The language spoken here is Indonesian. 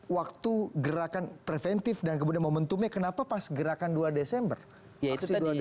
waktu gerakan preventif dan kemudian momentumnya kenapa pas gerakan dua desember ya itu tadi